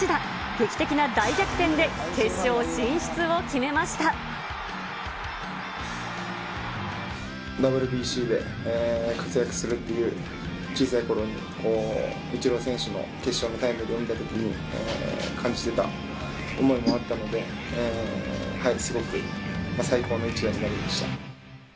劇的な大逆転で決勝進出を決めまＷＢＣで活躍するっていう、小さいころにイチロー選手の決勝のタイムリーを見たときに感じてた思いもあったので、すごく最高の一打になりました。